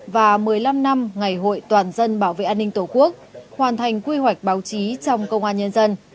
và một mươi năm năm ngày hội toàn dân bảo vệ an ninh tổ quốc hoàn thành quy hoạch báo chí trong công an nhân dân